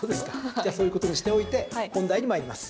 そういうことにしておいて本題に参ります。